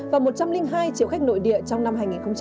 và một trăm linh hai triệu khách nội địa trong năm hai nghìn hai mươi